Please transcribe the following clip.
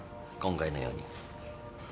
今回のように。